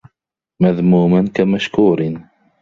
مَذْمُومًا كَمَشْكُورٍ